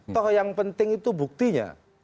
toh yang penting itu buktinya